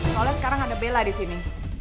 soalnya sekarang ada bella disini